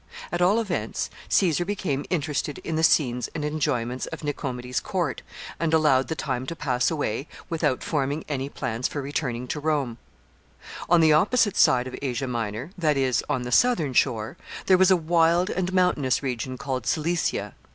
At all events, Caesar became interested in the scenes and enjoyments of Nicomedes's court, and allowed the time to pass away without forming any plans for returning to Rome. [Sidenote: Cilicia.] [Sidenote: Character of its inhabitants.] On the opposite side of Asia Minor, that is, on the southern shore, there was a wild and mountainous region called Cilicia.